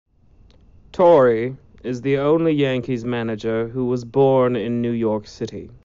Torre is the only Yankees manager who was born in New York City.